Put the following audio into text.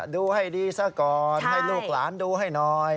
ดูให้ดีซะก่อนให้ลูกหลานดูให้หน่อย